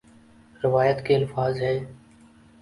روایت کے الفاظ ہیں